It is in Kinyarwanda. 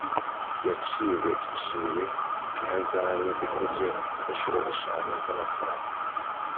Yaciweciwe ihazabu ikubye inshuro eshanu z amafaranga